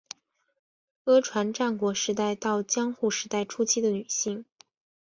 阿船战国时代到江户时代初期的女性。